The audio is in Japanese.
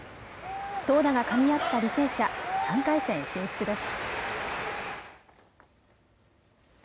投打がかみ合った履正社、３回戦進出です。